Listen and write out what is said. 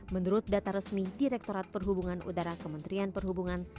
menurut data resmi direktorat perhubungan udara kementerian perhubungan